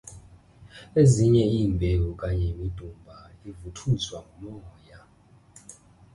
Ezinye iimbewu okanye imidumba ivuthuzwa ngumoya.